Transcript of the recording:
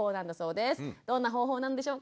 どんな方法なんでしょうか。